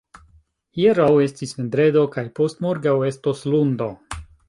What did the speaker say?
Hieraŭ estis vendredo, kaj post-morgaŭ estos lundo.